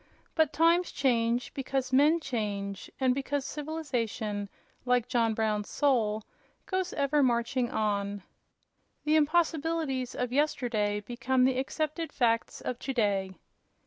But times change because men change, and because civilization, like John Brown's soul, goes ever marching on. The impossibilities of yesterday become the accepted facts of to day.